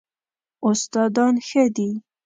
استادان ښه دي؟